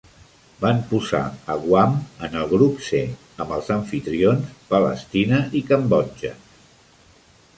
Van posar a Guam en el grup C amb els amfitrions, Palestina i Cambodja.